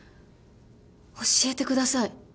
教えてください。